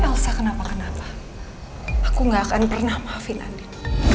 elsa kenapa kenapa aku ga akan pernah maafin andin